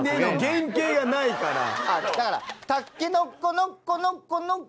だから。